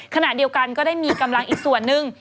ขณะเดียวกันก็ได้มีกำลังอีกส่วนหนึ่ง